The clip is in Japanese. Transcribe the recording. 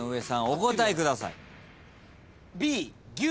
お答えください。